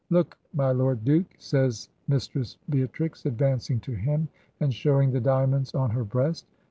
'Look, my Lord Duke,' says Mistress Bea trix, advancing to him and showing the diamonds on her breast.